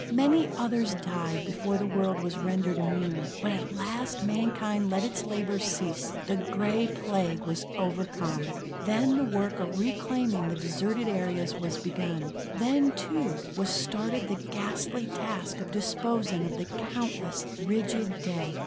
Many others died before the world was rendered immune, but at last mankind let its labors cease. The Gray Plague was overcome. Then the work of reclaiming the deserted areas was begun; then, too, was started the ghastly task of disposing of the countless, rigid dead.